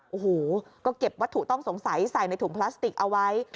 โอ้โหก็เก็บวัตถุต้องสงสัยใส่ในถุงพลาสติกเอาไว้